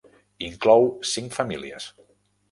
Inclou cinc famílies.